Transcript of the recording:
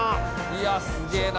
いやすげぇな。